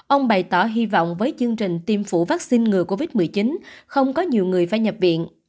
ông bày tỏ hy vọng với chương trình tiêm phủ vaccine ngừa covid một mươi chín không có nhiều người phải nhập viện